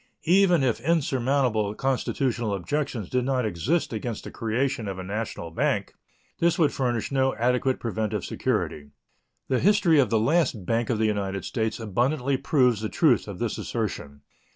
Even if insurmountable constitutional objections did not exist against the creation of a national bank, this would furnish no adequate preventive security. The history of the last Bank of the United States abundantly proves the truth of this assertion.